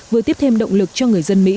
vừa tiếp thêm động lực cho người dân mỹ